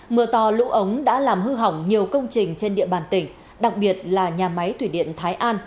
mưa to lũ ống đã làm hư hỏng nhiều công trình trên địa bàn tỉnh đặc biệt là nhà máy thủy điện thái an